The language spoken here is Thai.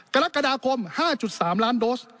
กรกฎาคม๕๓ล้านโดส